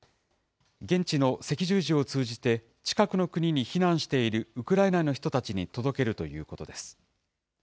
現地の赤十字を通じて、近くの国に避難しているウクライナの人たちに届けるということです。